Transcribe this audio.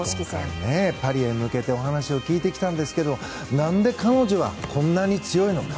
パリへ向けてお話を聞いてきたんですけど何で彼女はこんなに強いのか。